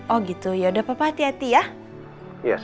oh gitu ya udah papa hati hati ya